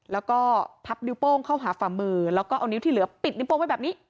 แล้วก็พับนิ้วโป้งเข้าหาฝ่ามือแล้วก็เอานิ้วที่เหลือปิดนิ้โป้งไว้แบบนี้